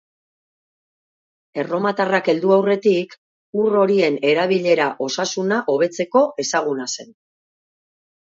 Erromatarrak heldu aurretik ur horien erabilera osasuna hobetzeko ezaguna zen.